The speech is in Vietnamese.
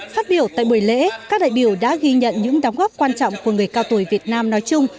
phát biểu tại buổi lễ các đại biểu đã ghi nhận những đóng góp quan trọng của người cao tuổi việt nam nói chung